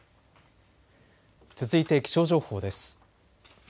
続いて気象情報です。